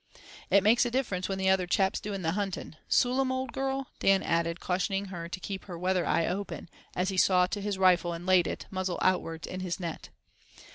"It makes a difference when the other chap's doing the hunting, Sool'em, old girl," Dan added, cautioning her to keep her "weather eye open," as he saw to his rifle and laid it, muzzle outwards, in his net.